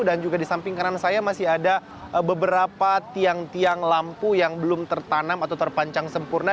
dan juga di samping kanan saya masih ada beberapa tiang tiang lampu yang belum tertanam atau terpancang sempurna